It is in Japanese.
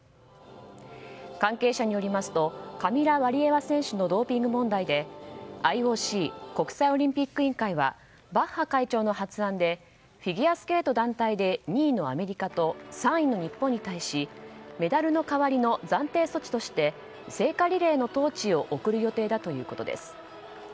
関係者によりますとカミラ・ワリエワ選手のドーピング問題でＩＯＣ・国際オリンピック委員会はバッハ会長の発案でフィギュアスケート団体で２位のアメリカと３位の日本に対しメダルの代わりの暫定措置として聖火リレーのトーチを贈る予定だということです。